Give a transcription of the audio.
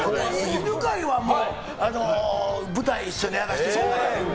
犬飼とは舞台を一緒にやらせてもらってて。